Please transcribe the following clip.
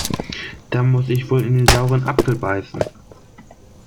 Da muss ich wohl in den sauren Apfel beißen.